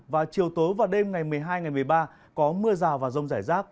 và chiều tối và đêm ngày một mươi hai ngày một mươi ba có mưa rào và rông rải rác